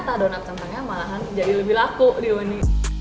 nah kalau di coffee shop kentangnya malahan jadi lebih laku di uni